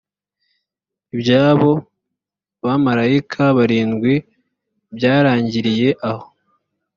i by abo bamarayika barindwi byarangiriye aho